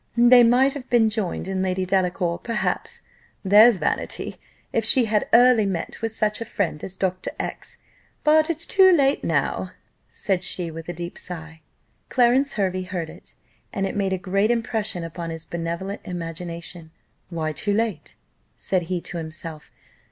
They might have been joined in Lady Delacour, perhaps there's vanity! if she had early met with such a friend as Dr. X ; but it's too late now," said she, with a deep sigh. Clarence Hervey heard it, and it made a great impression upon his benevolent imagination. "Why too late?" said he to himself.